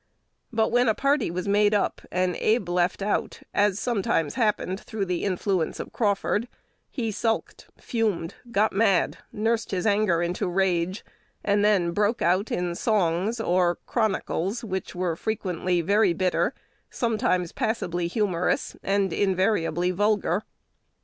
But when a party was made up, and Abe left out, as sometimes happened through the influence of Crawford, he sulked, fumed, "got mad," nursed his anger into rage, and then broke out in songs or "chronicles," which were frequently very bitter, sometimes passably humorous, and invariably vulgar.